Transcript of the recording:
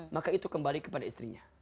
maka itu kembali kepada istrinya